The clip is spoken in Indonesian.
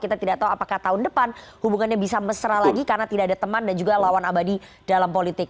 kita tidak tahu apakah tahun depan hubungannya bisa mesra lagi karena tidak ada teman dan juga lawan abadi dalam politik